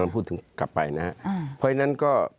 เพราะฉะนั้นก็